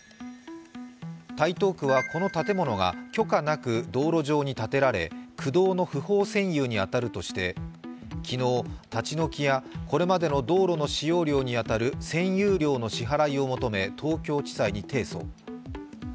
台東区はこの建物が許可なく道路上に建てられ区道の不法占有に当たるとして昨日、立ち退きやこれまでの道路の使用料に当たる占有料の支払いを求め東京地裁に提訴。